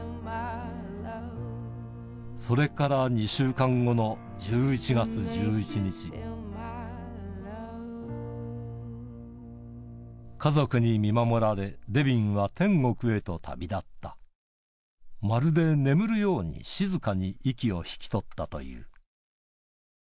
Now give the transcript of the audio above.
それから２週間後の１１月１１日家族に見守られデビンは天国へと旅立ったまるで眠るように静かに息を引き取ったという一体何を語るのか？